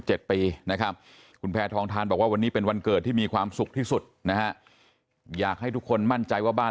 จะเป็นของขวัญที่ดีที่สุดของชีวิต